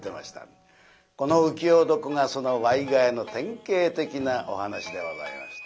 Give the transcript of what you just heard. この「浮世床」がそのワイガヤの典型的なお噺でございます。